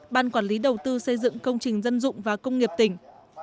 ban quản lý đầu tư xây dựng công trình dân dụng và công nghiệp tỉnh